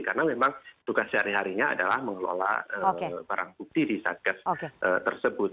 karena memang tugas sehari harinya adalah mengelola barang bukti di satgas tersebut